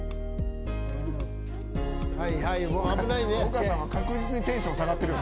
丘さん、確実にテンション下がってるよ。